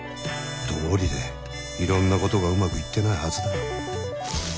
どうりでいろんなことがうまくいってないはずだ。